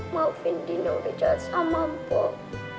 maafin dina kejahat sama mpok